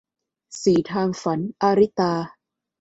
สี่ทางฝัน - อาริตา